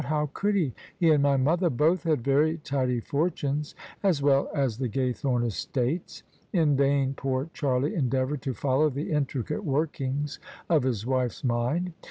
How could he? He and my mother both had very tidy fortunes as well as the Gaythome estates.^' In vain poor Charlie endeavoured to follow the intricate workings of his wife's mind.